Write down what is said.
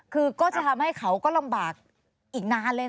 คือก็จะทำให้เขาก็ลำบากอีกนานเลยนะ